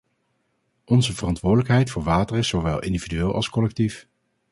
Onze verantwoordelijkheid voor water is zowel individueel als collectief.